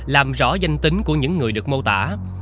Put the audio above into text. làm rõ danh tính của những người được mô tả